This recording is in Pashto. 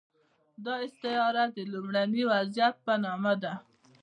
دا استعاره د لومړني وضعیت په نامه ده.